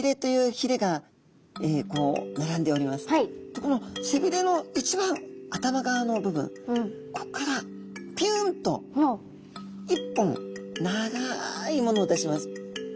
でこの背びれの一番頭側の部分こっからピュンと１本長いものを出します。